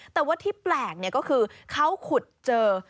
แต่ว่าที่แปลกก็คือเขาขุดเจอ